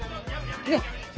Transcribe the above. ねっ！